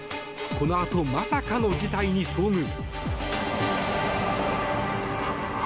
このあと、まさかの事態に遭遇。